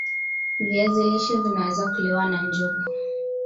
viazi lishe Vinaweza kuliwa nanjugu